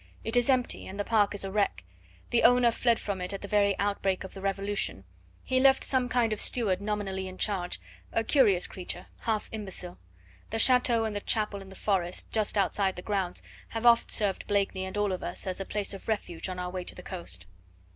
It is empty, and the park is a wreck; the owner fled from it at the very outbreak of the revolution; he left some kind of steward nominally in charge, a curious creature, half imbecile; the chateau and the chapel in the forest just outside the grounds have oft served Blakeney and all of us as a place of refuge on our way to the coast."